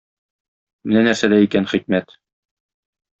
Менә нәрсәдә икән хикмәт!